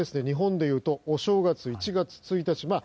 日本でいうとお正月１月１日。